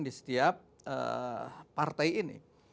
di setiap partai ini